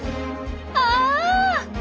あ！